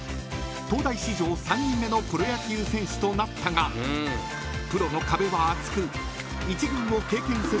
［東大史上３人目のプロ野球選手となったがプロの壁は厚く一軍を経験せずに］